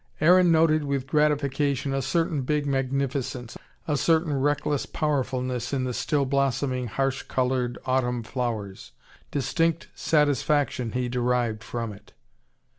Aaron noted with gratification a certain big magnificence, a certain reckless powerfulness in the still blossoming, harsh coloured, autumn flowers. Distinct satisfaction he derived from it.